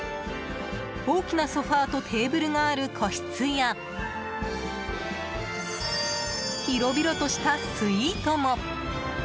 大きなソファとテーブルがある個室や広々としたスイートも。